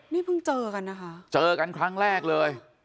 นี่เพิ่งเจอกันนะคะเจอกันครั้งแรกเลย